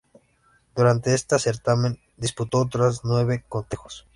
Durante este certamen disputó otros nueve cotejos.